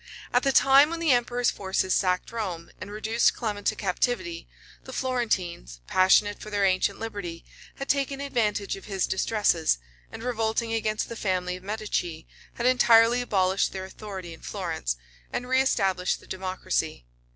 At the time when the emperor's forces sacked Rome, and reduced Clement to captivity, the Florentines, passionate for their ancient liberty, had taken advantage of his distresses, and revolting against the family of Medicis, had entirely abolished their authority in Florence, and reëstablished the democracy.